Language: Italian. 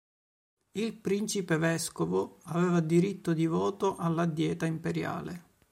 Il principe vescovo aveva diritto di voto alla Dieta Imperiale.